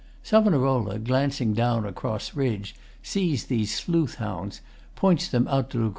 SAV., glancing down across ridge, sees these sleuth hounds, points them out to LUC.